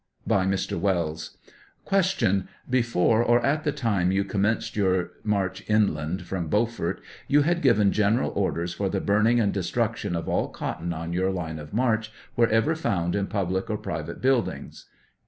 By Mr. Wells : Q. Before, or at the time you commenced your march inland from Beaufort, you had given general orders for the burting and destruction of all cotton on your line of march wherever found in publicor private buildings?